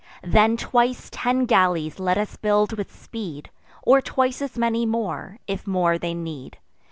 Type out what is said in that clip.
Then twice ten galleys let us build with speed, Or twice as many more, if more they need.